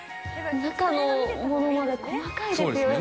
中のものまで細かいですよね。